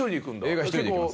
映画ひとりで行きます。